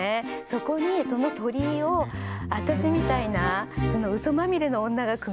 そこにその鳥居を私みたいなウソまみれの女がくぐるっていうのが。